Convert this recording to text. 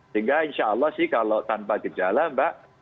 sehingga insya allah sih kalau tanpa gejala mbak